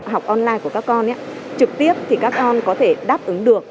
học online của các con trực tiếp thì các con có thể đáp ứng được